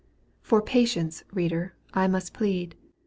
For patience, reader, I must plead